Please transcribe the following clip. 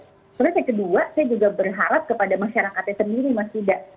terus yang kedua saya juga berharap kepada masyarakatnya sendiri mas yuda